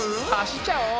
走っちゃおう！